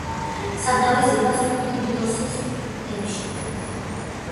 სათავეს იღებს პინდოსის მთებში.